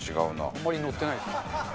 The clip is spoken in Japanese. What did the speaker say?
あんまりノッてないですね。